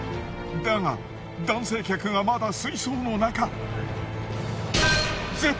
だが男性客がまだ水槽の中。